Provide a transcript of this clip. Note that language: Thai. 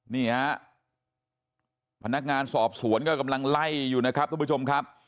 นี่ฮะพนักงานสอบสวนก็กำลังไล่อยู่นะครับทุกผู้ชมครับ